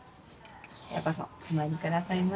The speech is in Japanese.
ようこそお参りくださいました。